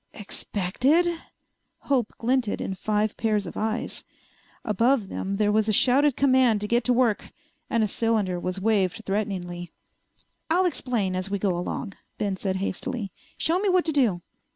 "Expected ?" Hope glinted in five pairs of eyes. Above them there was a shouted command to get to work, and a cylinder was waved threateningly. "I'll explain as we go along," Ben said hastily. "Show me what to do."